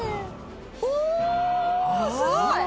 おすごい！